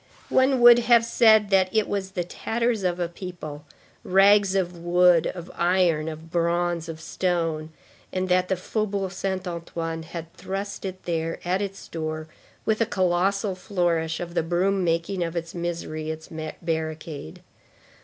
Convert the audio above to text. One would have said that it was the tatters of a people, rags of wood, of iron, of bronze, of stone, and that the Faubourg Saint Antoine had thrust it there at its door, with a colossal flourish of the broom making of its misery its barricade.